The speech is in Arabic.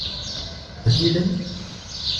قليلا.